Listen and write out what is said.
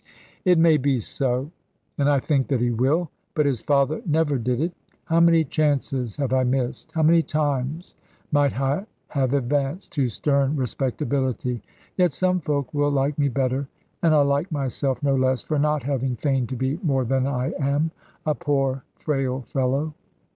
It may be so. And I think that he will. But his father never did it. How many chances have I missed! How many times might I have advanced to stern respectability! Yet some folk will like me better, and I like myself no less, for not having feigned to be more than I am a poor frail fellow.